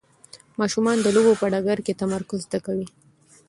ماشومان د لوبو په ډګر کې تمرکز زده کوي.